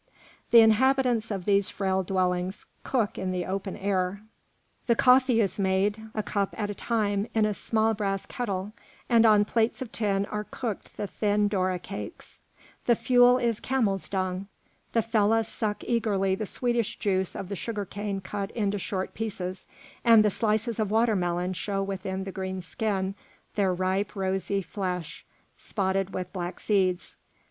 The inhabitants of these frail dwellings cook in the open air. The coffee is made, a cup at a time, in a small brass kettle, and on plates of tin are cooked the thin doora cakes. The fuel is camel's dung. The fellahs suck eagerly the sweetish juice of the sugar cane cut into short pieces, and the slices of watermelon show within the green skin their ripe, rosy, flesh, spotted with black seeds.